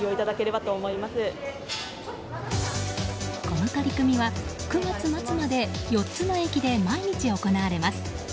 この取り組みは９月末まで４つの駅で毎日行われます。